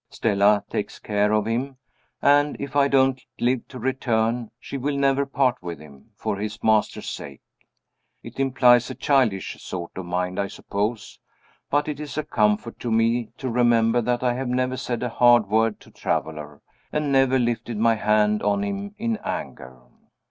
Stella takes care of him and, if I don't live to return, she will never part with him, for his master's sake. It implies a childish sort of mind, I suppose but it is a comfort to me to remember that I have never said a hard word to Traveler, and never lifted my hand on him in anger.